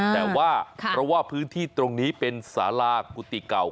แต่ว่าเพราะว่าพื้นที่ตรงนี้เป็นสารากุฏิเก่า